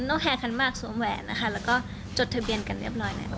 ต้องแค้นขั้นมาคสวมแหวนแล้วก็จดทะเบียนกันเรียบร้อย